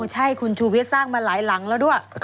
ใช่คุณชูวิทย์สร้างมาหลายหลังแล้วด้วย